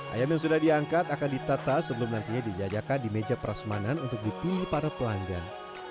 ayam yang sudah diangkat akan ditata sebelum nantinya dijajakan di meja prasmanan untuk dipilih para pelanggan